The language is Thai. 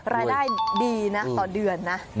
รายได้ดีนะต่อเดือนนะ